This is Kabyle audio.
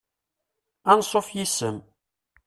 Ansuf yes-m.